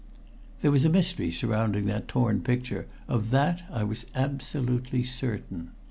There was a mystery surrounding that torn picture; of that I was absolutely certain.